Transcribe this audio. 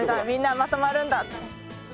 みんなまとまるんだ！